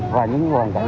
và những hoàn cảnh